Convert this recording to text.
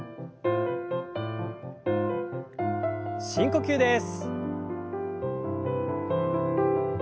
深呼吸です。